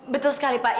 hidup tanpa mu